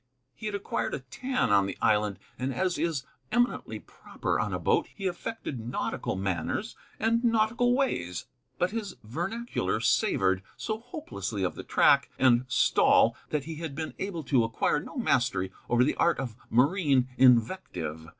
He had acquired a tan on the island; and, as is eminently proper on a boat, he affected nautical manners and nautical ways. But his vernacular savored so hopelessly of the track and stall that he had been able to acquire no mastery over the art of marine invective.